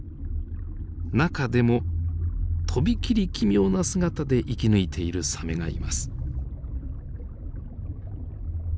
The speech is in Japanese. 中でも飛び切り奇妙な姿で生き抜いているサメがいます。